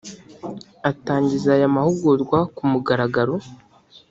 Atangiza aya mahugurwa ku mugaragaro